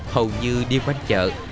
hầu như đi quanh chợ